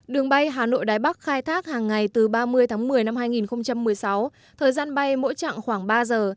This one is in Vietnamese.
đường bay hà nội đài bắc khai thác hàng ngày từ ba mươi tháng một mươi năm hai nghìn một mươi sáu thời gian bay mỗi chặng khoảng ba giờ